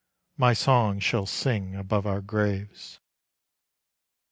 '— My song shall sing above our graves.